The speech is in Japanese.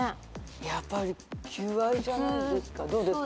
やっぱり求愛じゃないですか？